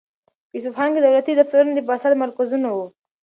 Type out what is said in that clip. په اصفهان کې دولتي دفترونه د فساد مرکزونه وو.